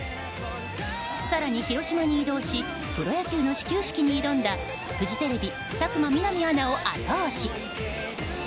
更に広島に移動しプロ野球の始球式に挑んだフジテレビ佐久間みなみアナを後押し。